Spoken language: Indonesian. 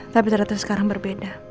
tapi terdapat sekarang berbeda